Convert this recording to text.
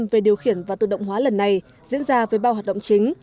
về điều khiển và tự động hóa lần này diễn ra với bao hoạt động chính